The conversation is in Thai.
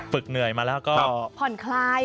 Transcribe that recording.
เหนื่อยมาแล้วก็ผ่อนคลาย